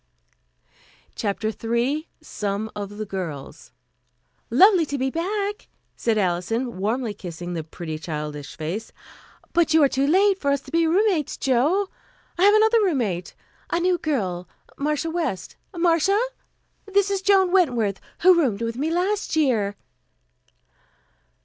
CHAPTER III SOME OF THE GIRLS "Lovely to be back," said Alison, warmly kissing the pretty childish face," but you are too late for us to be roommates, Jo. I have another roommate, a new girl, Marcia West. Marcia, this is Joan Wentworth, who roomed with me last year."